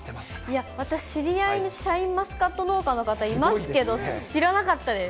いや、私知り合いにシャインマスカット農家の方、いますけど、知らなかったです。